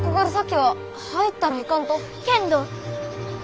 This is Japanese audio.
けんど！